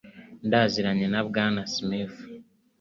Ndaziranye na Bwana Smith.